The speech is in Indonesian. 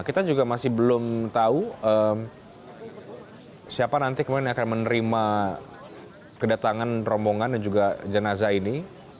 kita juga masih belum tahu siapa nanti kemudian yang akan menerima kedatangan rombongan dan juga jenazah ini